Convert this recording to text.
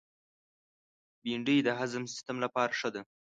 بېنډۍ د هضم سیستم لپاره ښه ده